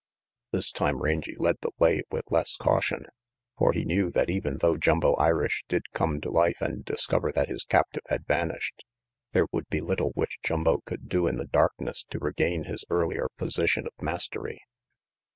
This time Rangy led the way with less caution, for he knew that even though Jumbo Irish did come to life and discover that his captive had vanished, there would be little which Jumbo could do in the darkness to regain his earlier position of mastery.